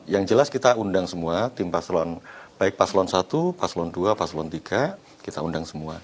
yang jelas kita undang semua tim paslon baik paslon satu paslon dua paslon tiga kita undang semua